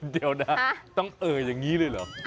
เดี๋ยวนะต้องเอ่ออย่างนี้เลยเหรอ